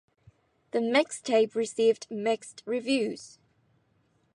The mixtape received mixed reviews.